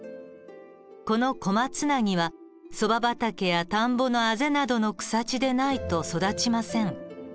このコマツナギはそば畑や田んぼのあぜなどの草地でないと育ちません。